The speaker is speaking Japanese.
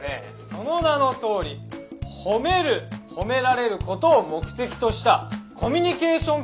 その名のとおり褒める褒められることを目的としたコミュニケーション